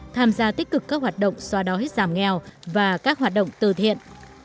tham gia tích cực các hoạt động xóa đói giảm nghèo và các hoạt động từ thiện